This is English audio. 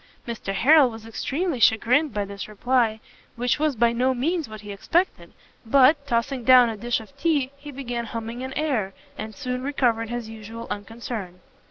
Mr Harrel was extremely chagrined by this reply, which was by no means what he expected; but, tossing down a dish of tea, he began humming an air, and soon recovered his usual unconcern.